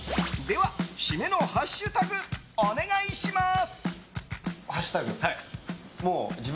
では、締めのハッシュタグお願いします！